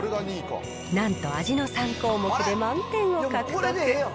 なんと、味の３項目で満点を獲得。